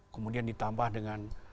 kemudian ditambah dengan